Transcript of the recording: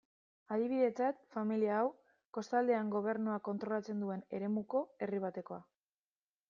Adibidetzat, familia hau, kostaldean gobernuak kontrolatzen duen eremuko herri batekoa.